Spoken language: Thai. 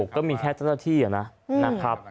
ก็มีแค่เจ้าหน้าที่นะครับ